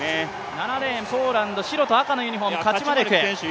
７レーンポーランド白と赤のユニフォームカチュマレク選手。